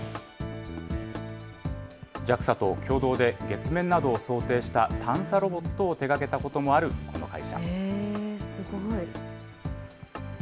ＪＡＸＡと共同で月面などを想定した探査ロボットを手がけたことすごい。